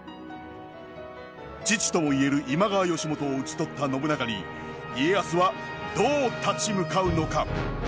父ともいえる今川義元を討ち取った信長に家康はどう立ち向かうのか。